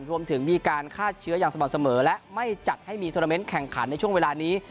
รวมถึงมีการฆ่าเชื้ออย่างสม่ำเสมอและไม่จัดให้มีโทรเมนต์แข่งขันในช่วงเวลานี้